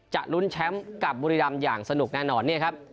จะลุ้นแชมป์กับบุรีดรรมอย่างสนุกแน่นอน